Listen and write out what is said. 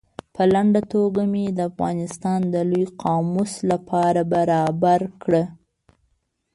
په لنډه توګه مې د افغانستان د لوی قاموس له پاره برابره کړه.